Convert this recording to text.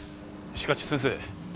しかし先生。